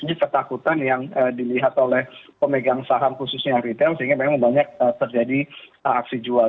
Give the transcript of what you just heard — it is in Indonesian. ini ketakutan yang dilihat oleh pemegang saham khususnya retail sehingga memang banyak terjadi aksi jual